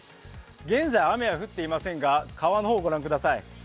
現在、雨は降っていませんが川の方をご覧ください。